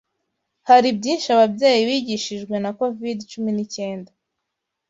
Hari byinshi ababyeyi bigishijwe na covid cumi n'icyenda